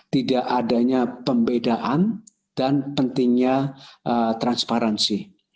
tidak adanya pembedaan dan pentingnya transparansi